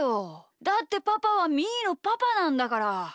だってパパはみーのパパなんだから！